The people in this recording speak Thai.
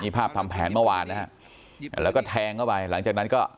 ภาพทำแผนเมื่อวานนะฮะแล้วก็แทงเข้าไปหลังจากนั้นก็